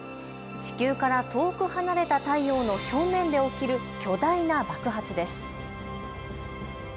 地球から遠く離れた太陽の表面で起きる巨大な爆発です。